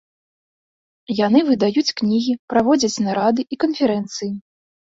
Яны выдаюць кнігі, праводзяць нарады і канферэнцыі.